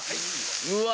うわ！